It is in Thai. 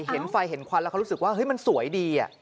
เห็นไฟเห็นควันแล้วเขารู้สึกว่ามันสวยดี